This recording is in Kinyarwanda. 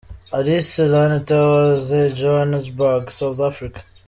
Alice Lane Towers, Johannesburg , South Africa.